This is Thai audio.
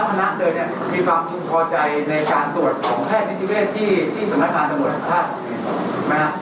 ทั้งธนาคต์เลยเนี่ยมีความคงพอใจในการตรวจของแพทย์นิติเวทที่ที่สถานการณ์สมุทรใช่ไหมครับ